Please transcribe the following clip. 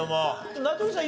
名取さん